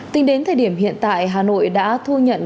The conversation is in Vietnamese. tính đến thời điểm hiện tại hà nội đã thu nhận